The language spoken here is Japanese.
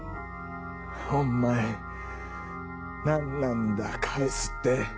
お前何なんだ「返す」って。